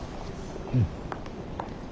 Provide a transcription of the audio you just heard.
うん。